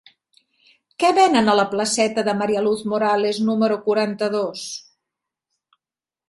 Què venen a la placeta de María Luz Morales número quaranta-dos?